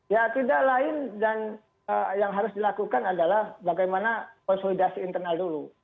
ya tidak lain dan yang harus dilakukan adalah bagaimana konsolidasi internal dulu